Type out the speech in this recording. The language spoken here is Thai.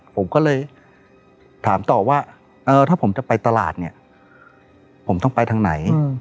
ผมก็เลยถามต่อว่าถ้าผมจะไปตลาดเนี่ยผมต้องไปทางไหน